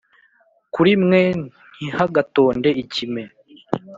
Kuri mwe ntihagatonde ikime